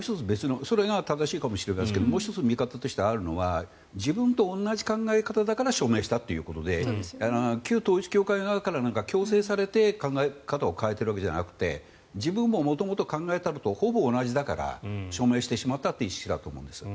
それが正しいかもしれないですがもう１つ別の見方があるとすれば自分と同じ考え方だから署名したということで旧統一教会側から強制されて考え方を変えているわけではなくて自分も元々考えていたのとほぼ同じだから署名してしまったという意識だと思います。